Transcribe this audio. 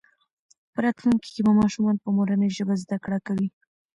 په راتلونکي کې به ماشومان په مورنۍ ژبه زده کړه کوي.